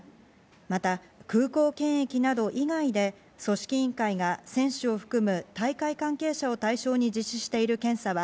また、空港検疫など以外で組織委員会が選手を含む大会関係者を対象に実施している検査は